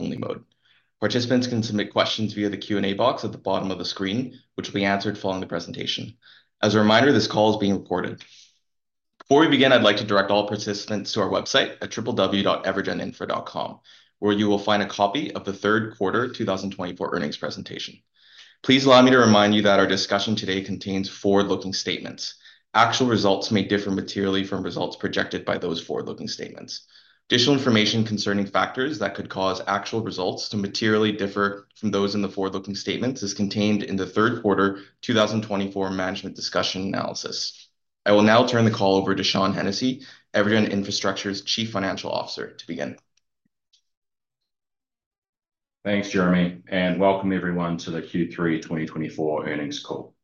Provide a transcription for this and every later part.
Listen-only mode. Participants can submit questions via the Q&A box at the bottom of the screen, which will be answered following the presentation. As a reminder, this call is being recorded. Before we begin, I'd like to direct all participants to our website at www.evergeninfra.com, where you will find a copy of the third quarter 2024 earnings presentation. Please allow me to remind you that our discussion today contains forward-looking statements. Actual results may differ materially from results projected by those forward-looking statements. Additional information concerning factors that could cause actual results to materially differ from those in the forward-looking statements is contained in the third quarter 2024 management's discussion and analysis. I will now turn the call over to Sean Hennessy, Evergen Infrastructure's Chief Financial Officer, to begin. Thanks, Jeremy. And Welcome, Everyone, to the Q3 2024 Earnings Call.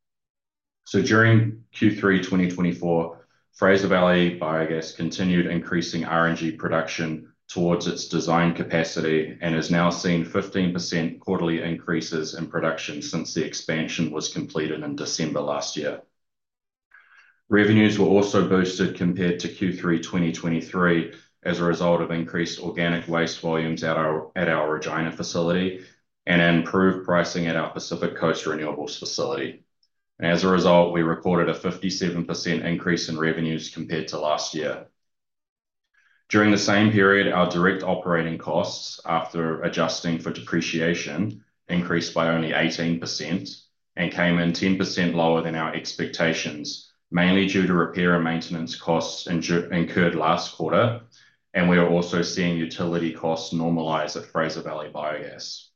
So during Q3 2024, Fraser Valley Biogas continued increasing RNG production towards its design capacity and has now seen 15% quarterly increases in production since the expansion was completed in December last year. Revenues were also boosted compared to Q3 2023 as a result of increased organic waste volumes at our Regina facility and improved pricing at our Pacific Coast Renewables facility. As a result, we recorded a 57% increase in revenues compared to last year. During the same period, our direct operating costs, after adjusting for depreciation, increased by only 18% and came in 10% lower than our expectations, mainly due to repair and maintenance costs incurred last quarter. And we are also seeing utility costs normalize at Fraser Valley Biogas.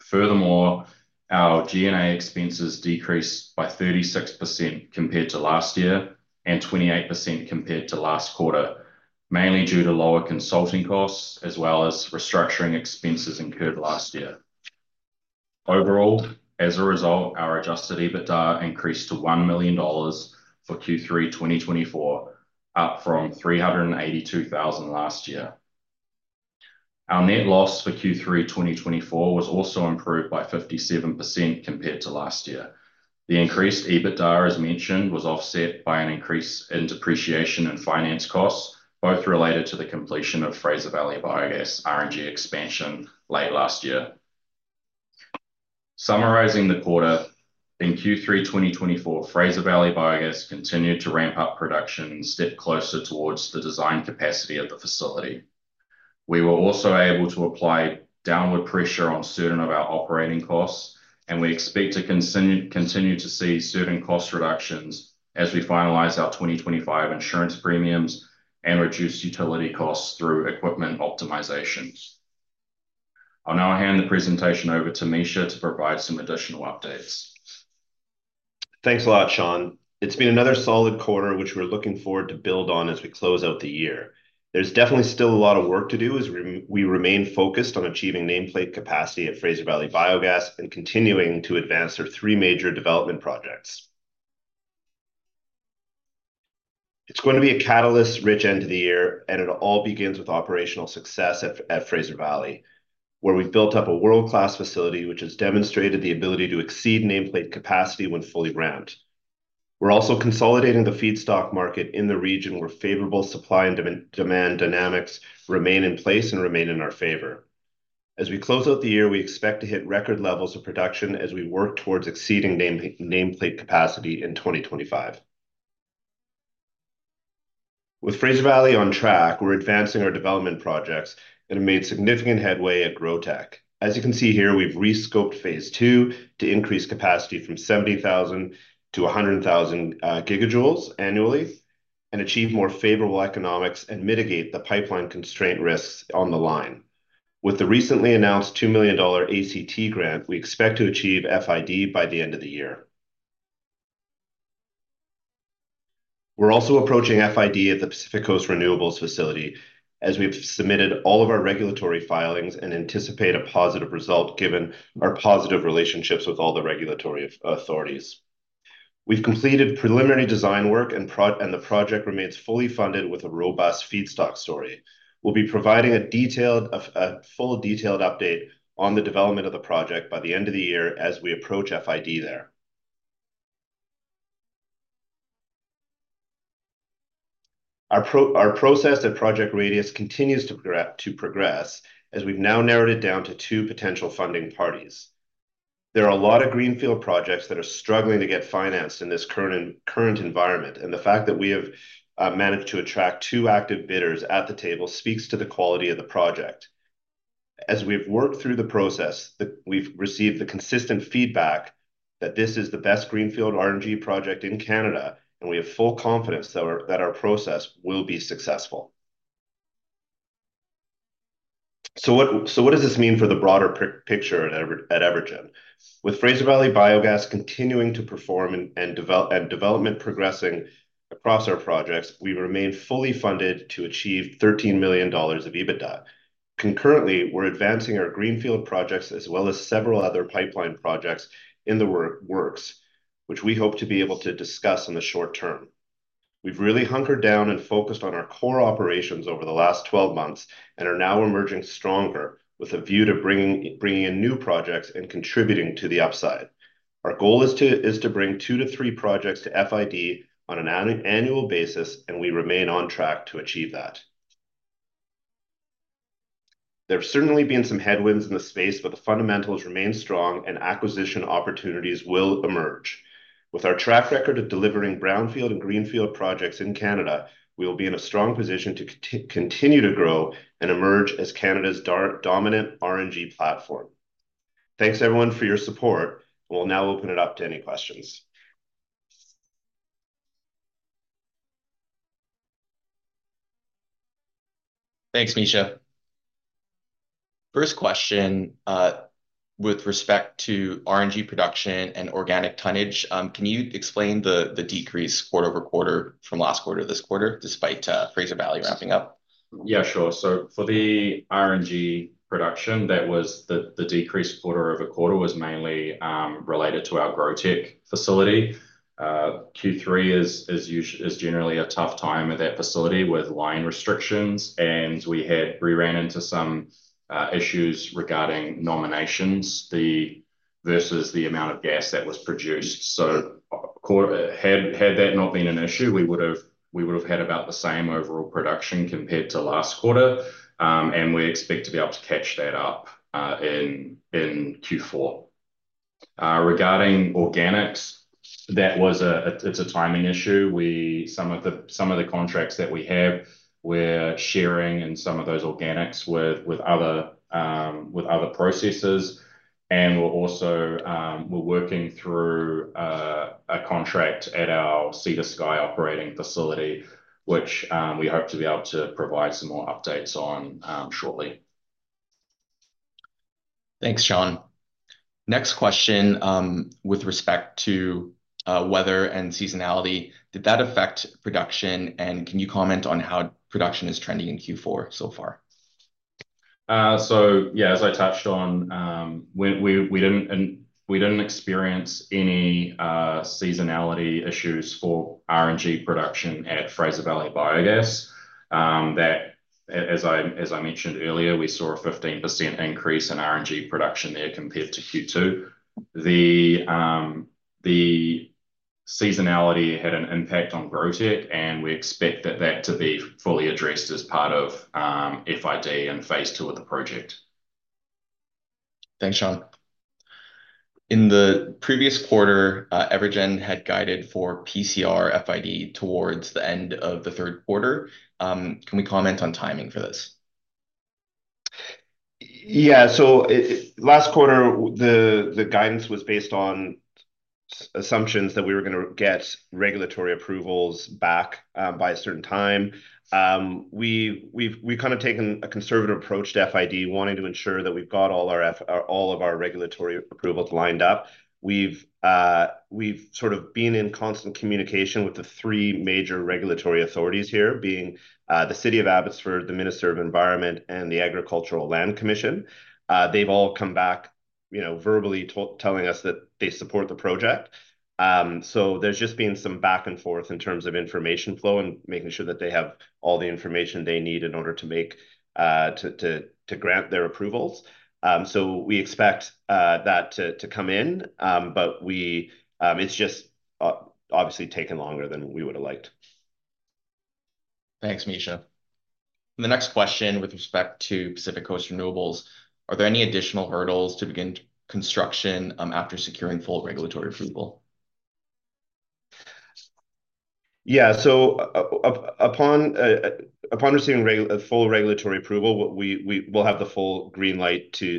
Furthermore, our G&A expenses decreased by 36% compared to last year and 28% compared to last quarter, mainly due to lower consulting costs as well as restructuring expenses incurred last year. Overall, as a result, our Adjusted EBITDA increased to 1 million dollars for Q3 2024, up from 382,000 last year. Our net loss for Q3 2024 was also improved by 57% compared to last year. The increased EBITDA, as mentioned, was offset by an increase in depreciation and finance costs, both related to the completion of Fraser Valley Biogas RNG expansion late last year. Summarizing the quarter, in Q3 2024, Fraser Valley Biogas continued to ramp up production and step closer towards the design capacity at the facility. We were also able to apply downward pressure on certain of our operating costs, and we expect to continue to see certain cost reductions as we finalize our 2025 insurance premiums and reduce utility costs through equipment optimizations. I'll now hand the presentation over to Mischa to provide some additional updates. Thanks a lot, Sean. It's been another solid quarter, which we're looking forward to build on as we close out the year. There's definitely still a lot of work to do as we remain focused on achieving nameplate capacity at Fraser Valley Biogas and continuing to advance our three major development projects. It's going to be a catalyst-rich end to the year, and it all begins with operational success at Fraser Valley, where we've built up a world-class facility, which has demonstrated the ability to exceed nameplate capacity when fully ramped. We're also consolidating the feedstock market in the region where favorable supply and demand dynamics remain in place and remain in our favor. As we close out the year, we expect to hit record levels of production as we work towards exceeding nameplate capacity in 2025. With Fraser Valley on track, we're advancing our development projects and have made significant headway at GrowTEC. As you can see here, we've rescoped phase two to increase capacity from 70,000 to 100,000 gigajoules annually and achieve more favorable economics and mitigate the pipeline constraint risks on the line. With the recently announced 2 million dollar ATCO grant, we expect to achieve FID by the end of the year. We're also approaching FID at the Pacific Coast Renewables facility as we've submitted all of our regulatory filings and anticipate a positive result given our positive relationships with all the regulatory authorities. We've completed preliminary design work, and the project remains fully funded with a robust feedstock story. We'll be providing a full detailed update on the development of the project by the end of the year as we approach FID there. Our process at Project Radius continues to progress as we've now narrowed it down to two potential funding parties. There are a lot of greenfield projects that are struggling to get financed in this current environment, and the fact that we have managed to attract two active bidders at the table speaks to the quality of the project. As we've worked through the process, we've received consistent feedback that this is the best greenfield RNG project in Canada, and we have full confidence that our process will be successful. So what does this mean for the broader picture at Evergen? With Fraser Valley Biogas continuing to perform and development progressing across our projects, we remain fully funded to achieve 13 million dollars of EBITDA. Concurrently, we're advancing our greenfield projects as well as several other pipeline projects in the works, which we hope to be able to discuss in the short term. We've really hunkered down and focused on our core operations over the last 12 months and are now emerging stronger with a view to bringing in new projects and contributing to the upside. Our goal is to bring two to three projects to FID on an annual basis, and we remain on track to achieve that. There have certainly been some headwinds in the space, but the fundamentals remain strong and acquisition opportunities will emerge. With our track record of delivering brownfield and greenfield projects in Canada, we will be in a strong position to continue to grow and emerge as Canada's dominant RNG platform. Thanks, everyone, for your support, and we'll now open it up to any questions. Thanks, Mischa. First question with respect to RNG production and organic tonnage, can you explain the decrease quarter over quarter from last quarter to this quarter despite Fraser Valley ramping up? Yeah, sure. So for the RNG production, the decrease quarter over quarter was mainly related to our GrowTEC facility. Q3 is generally a tough time at that facility with line restrictions, and we ran into some issues regarding nominations versus the amount of gas that was produced. So had that not been an issue, we would have had about the same overall production compared to last quarter, and we expect to be able to catch that up in Q4. Regarding organics, it's a timing issue. Some of the contracts that we have were sharing in some of those organics with other processes, and we're working through a contract at our Sea to Sky operating facility, which we hope to be able to provide some more updates on shortly. Thanks, Sean. Next question with respect to weather and seasonality. Did that affect production, and can you comment on how production is trending in Q4 so far? Yeah, as I touched on, we didn't experience any seasonality issues for RNG production at Fraser Valley Biogas. As I mentioned earlier, we saw a 15% increase in RNG production there compared to Q2. The seasonality had an impact on GrowTEC, and we expect that to be fully addressed as part of FID and phase two of the project. Thanks, Sean. In the previous quarter, EverGen had guided for PCR FID towards the end of the third quarter. Can we comment on timing for this? Yeah. So last quarter, the guidance was based on assumptions that we were going to get regulatory approvals back by a certain time. We've kind of taken a conservative approach to FID, wanting to ensure that we've got all of our regulatory approvals lined up. We've sort of been in constant communication with the three major regulatory authorities here, being the City of Abbotsford, the Minister of Environment, and the Agricultural Land Commission. They've all come back verbally telling us that they support the project. So there's just been some back and forth in terms of information flow and making sure that they have all the information they need in order to grant their approvals. So we expect that to come in, but it's just obviously taken longer than we would have liked. Thanks, Mischa. The next question with respect to Pacific Coast Renewables, are there any additional hurdles to begin construction after securing full regulatory approval? Yeah. So upon receiving full regulatory approval, we'll have the full green light to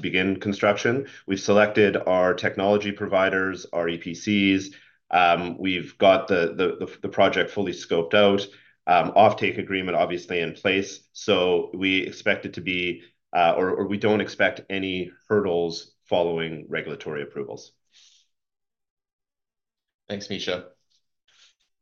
begin construction. We've selected our technology providers, our EPCs. We've got the project fully scoped out. Offtake agreement, obviously, in place. So we expect it to be or we don't expect any hurdles following regulatory approvals. Thanks, Mischa.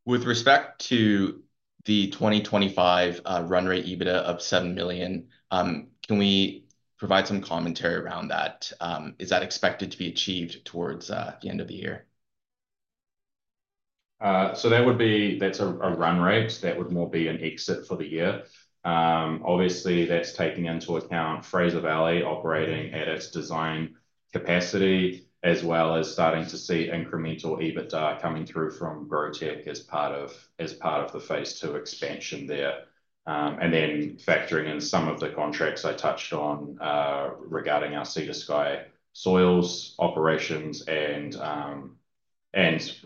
With respect to the 2025 run rate EBITDA of 7 million, can we provide some commentary around that? Is that expected to be achieved towards the end of the year? That's our run rate. That would more be an exit for the year. Obviously, that's taking into account Fraser Valley operating at its design capacity as well as starting to see incremental EBITDA coming through from GrowTEC as part of the phase two expansion there. And then factoring in some of the contracts I touched on regarding our Sea to Sky soils operations and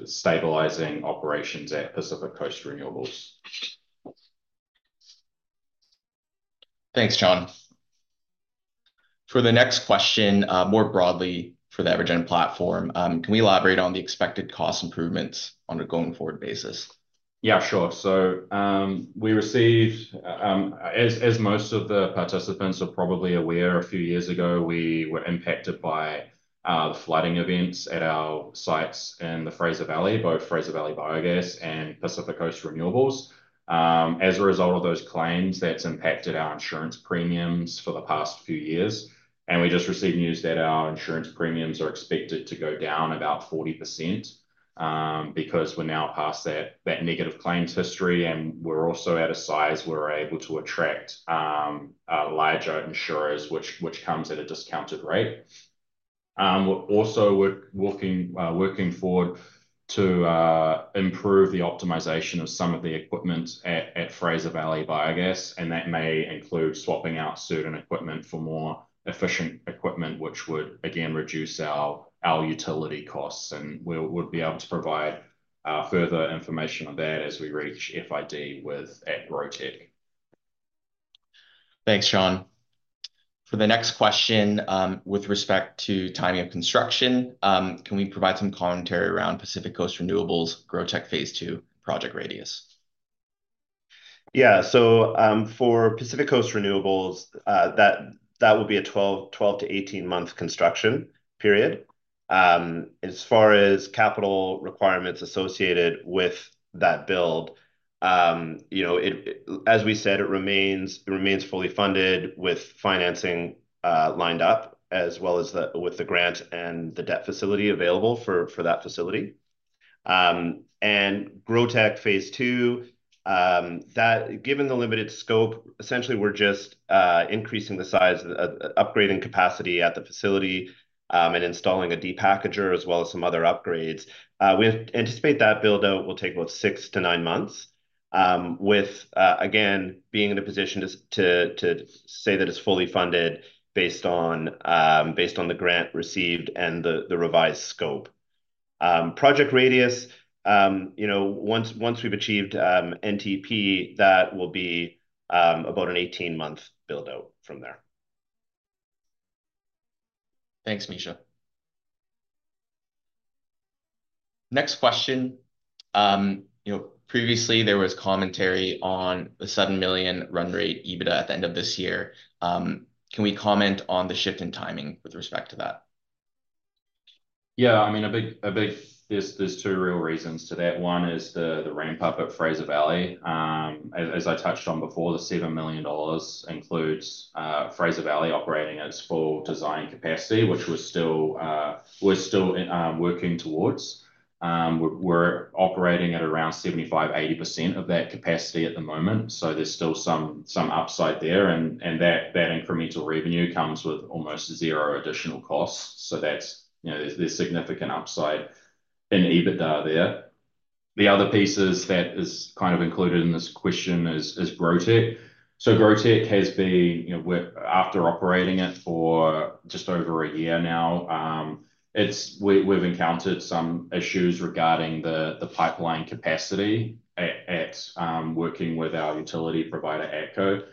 stabilizing operations at Pacific Coast Renewables. Thanks, Sean. For the next question, more broadly for the Evergen platform, can we elaborate on the expected cost improvements on a going forward basis? Yeah, sure. So as most of the participants are probably aware, a few years ago, we were impacted by flooding events at our sites in the Fraser Valley, both Fraser Valley Biogas and Pacific Coast Renewables. As a result of those claims, that's impacted our insurance premiums for the past few years. And we just received news that our insurance premiums are expected to go down about 40% because we're now past that negative claims history. And we're also at a size where we're able to attract larger insurers, which comes at a discounted rate. Also, we're working forward to improve the optimization of some of the equipment at Fraser Valley Biogas, and that may include swapping out certain equipment for more efficient equipment, which would, again, reduce our utility costs. And we would be able to provide further information on that as we reach FID at GrowTEC. Thanks, Sean. For the next question, with respect to timing of construction, can we provide some commentary around Pacific Coast Renewables' GrowTEC phase two Project Radius? Yeah. So for Pacific Coast Renewables, that would be a 12-18 months construction period. As far as capital requirements associated with that build, as we said, it remains fully funded with financing lined up as well as with the grant and the debt facility available for that facility. And GrowTEC phase two, given the limited scope, essentially, we're just increasing the size, upgrading capacity at the facility, and installing a depackager as well as some other upgrades. We anticipate that build-out will take about six- to nine-month, with, again, being in a position to say that it's fully funded based on the grant received and the revised scope. Project Radius, once we've achieved NTP, that will be about an 18-month build-out from there. Thanks, Mischa. Next question. Previously, there was commentary on the 7 million run rate EBITDA at the end of this year. Can we comment on the shift in timing with respect to that? Yeah. I mean, there's two real reasons to that. One is the ramp-up at Fraser Valley. As I touched on before, the 7 million dollars includes Fraser Valley operating at its full design capacity, which we're still working towards. We're operating at around 75%-80% of that capacity at the moment. So there's still some upside there, and that incremental revenue comes with almost zero additional costs. So there's significant upside in EBITDA there. The other piece that is kind of included in this question is GrowTEC. So GrowTEC has been, after operating it for just over a year now, we've encountered some issues regarding the pipeline capacity at working with our utility provider, ATCO.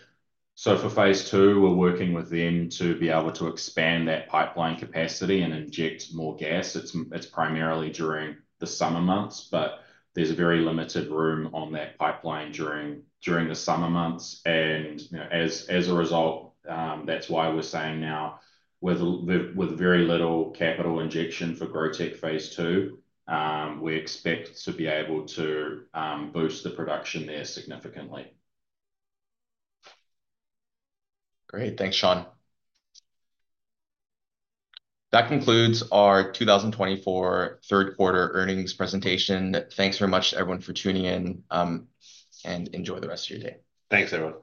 So for phase two, we're working with them to be able to expand that pipeline capacity and inject more gas. It's primarily during the summer months, but there's very limited room on that pipeline during the summer months. And as a result, that's why we're saying now, with very little capital injection for GrowTEC phase two, we expect to be able to boost the production there significantly. Great. Thanks, Sean. That concludes our 2024 third-quarter earnings presentation. Thanks very much, everyone, for tuning in, and enjoy the rest of your day. Thanks, everyone.